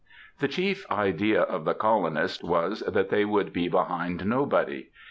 The chief idea of the colonists was that they would be behind nobody.